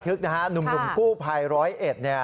นะฮะหนุ่มกู้ภัยร้อยเอ็ดเนี่ย